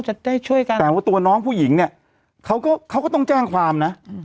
จะได้ช่วยกันแต่ว่าตัวน้องผู้หญิงเนี่ยเขาก็เขาก็ต้องแจ้งความนะ